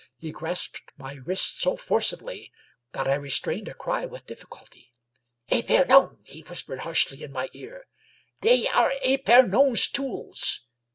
He grasped my wrist so forcibly that I restrained a cry with difficulty. " Epernon !" he whispered harshly in my ear. " They are Epemon's tools